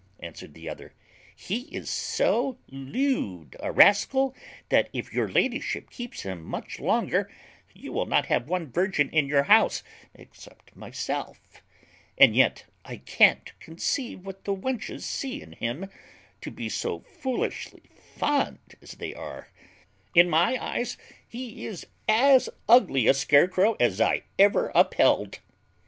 answered the other, "he is so lewd a rascal, that if your ladyship keeps him much longer, you will not have one virgin in your house except myself. And yet I can't conceive what the wenches see in him, to be so foolishly fond as they are; in my eyes, he is as ugly a scarecrow as I ever upheld."